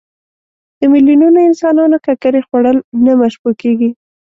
د میلیونونو انسانانو ککرې خوړل نه مشبوع کېږي.